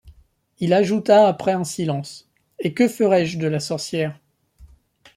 Il ajouta après un silence: — Et que ferai-je de la sorcière?